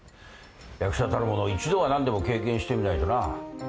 役者たる者一度は何でも経験してみないとな。